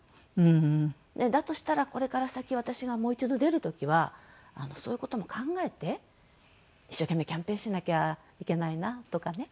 だとしたらこれから先私がもう一度出る時はそういう事も考えて一生懸命キャンペーンしなきゃいけないなとかね。